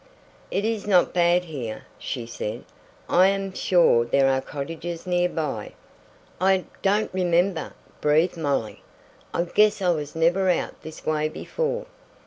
"It is not bad here," she said. "I am sure there are cottages near by." "I don't remember," breathed Molly. "I guess I was never out this way before."